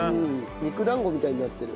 肉団子みたいになってる。